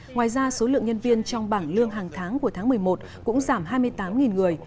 ngoài ra số lượng nhân viên trong bảng lương hàng tháng của tháng một mươi một cũng giảm hai mươi tám người